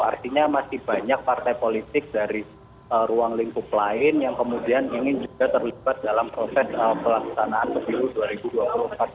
artinya masih banyak partai politik dari ruang lingkup lain yang kemudian ingin juga terlibat dalam proses pelaksanaan pemilu dua ribu dua puluh empat